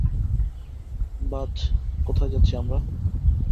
বায, কোথায় যাচ্ছি আমরা?